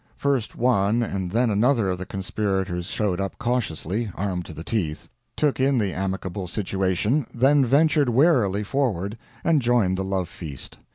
First one and then another of the conspirators showed up cautiously armed to the teeth took in the amicable situation, then ventured warily forward and joined the love feast.